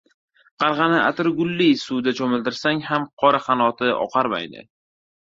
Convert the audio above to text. • Qarg‘ani atirgulli suvda cho‘miltirsang ham qora qanoti oqarmaydi.